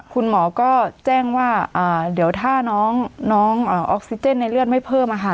คุณหมอก็แจ้งว่าอ่าเดี๋ยวถ้าน้องน้องอ่าออกซิเจนในเลือดไม่เพิ่มอ่ะค่ะ